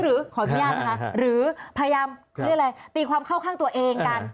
หรือขออนุญาตนะคะหรือพยายามเรียกอะไรตีความเข้าข้างตัวเองกัน